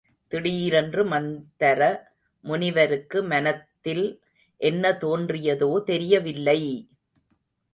திடீரென்று மந்தர முனிவருக்கு மனத்தில் என்ன தோன்றியதோ தெரியவில்லை!